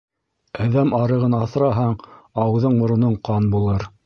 Әҙәм арығын аҫраһаң, ауыҙың-мороноң ҡан булыр